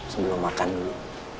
sebelum makan dulu